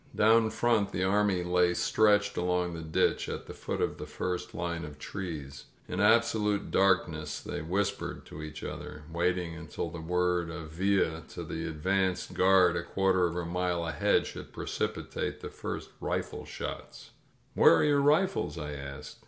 Down front the army lay stretched along the ditch at the foot of the first line of trees. In absolute dark ness they whispered to each other, waiting until the word of Villa to the advance guard a quarter of a mile ahead should precipitate the first rifle shots. S49 INSURGENT MEXICO •*Where are your rifles?'* I asked.